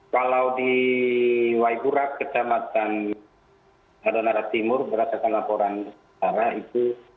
kalau di waiburat kecamatan adonara timur berasakan laporan parah itu